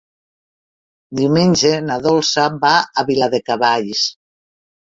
Diumenge na Dolça va a Viladecavalls.